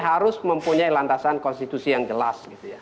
harus mempunyai landasan konstitusi yang jelas